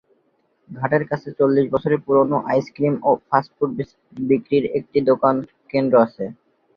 ঘাটের কাছে চল্লিশ বছরের পুরনো আইসক্রিম ও ফাস্ট ফুড বিক্রির একটি কেন্দ্র আছে।